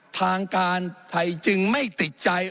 ทางการไทยจึงไม่ติดใจ